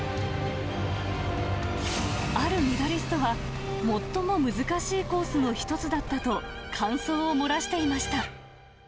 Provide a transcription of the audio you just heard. あるメダリストは、最も難しいコースの一つだったと、感想を漏らしていました。